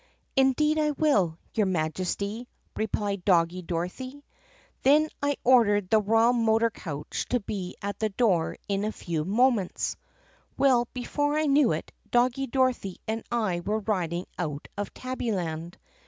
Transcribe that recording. " 'Indeed I will, your Majesty!' replied Doggie Dorothy. "I then ordered the royal motor coach to be at the door in a few minutes. "Well, before I knew it, Doggie Dorothy and I were riding out of Tabbyland.